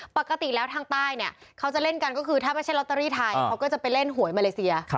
ปกติแล้วทางใต้เนี่ยเขาจะเล่นกันก็คือถ้าไม่ใช่ลอตเตอรี่ไทยเขาก็จะไปเล่นหวยมาเลเซีย